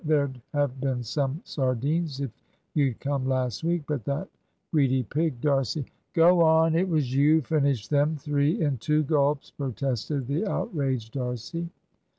There'd have been some sardines if you'd come last week; but that greedy pig D'Arcy " "Go on; it was you finished them, three in two gulps," protested the outraged D'Arcy.